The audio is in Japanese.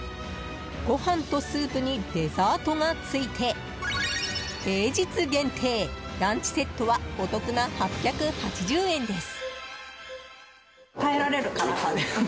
ご飯とスープにデザートがついて平日限定、ランチセットはお得な８８０円です。